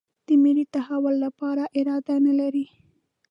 د ملي تحول لپاره اراده نه لري.